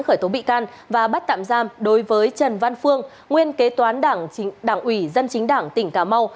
khởi tố bị can và bắt tạm giam đối với trần văn phương nguyên kế toán đảng ủy dân chính đảng tỉnh cà mau